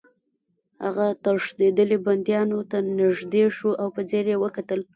هغه تښتېدلي بندیانو ته نږدې شو او په ځیر یې وکتل